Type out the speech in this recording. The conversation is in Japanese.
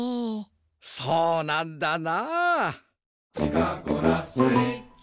そうなんだな。